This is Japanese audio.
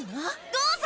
どうぞ！